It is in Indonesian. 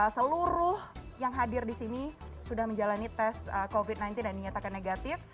seluruh yang hadir di sini sudah menjalani tes covid sembilan belas dan dinyatakan negatif